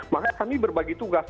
maka kami berbagi tugas